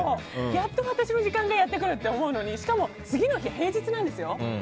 やっと私の時間がやってくるって思うのにしかも次の日、平日なんですよ。